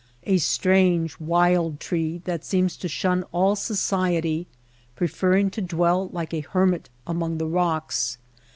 A strange wild tree that seems to shun all society, preferring to dwell like a hermit among the rocks.